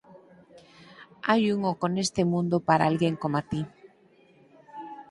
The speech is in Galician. Hai un oco neste mundo para alguén coma ti.